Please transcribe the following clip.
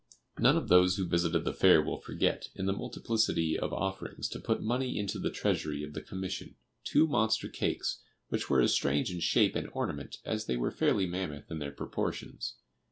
None of those who visited the Fair will forget, in the multiplicity of offerings to put money into the treasury of the Commission, two monster cakes, which were as strange in shape and ornament as they were fairly mammoth in their proportions.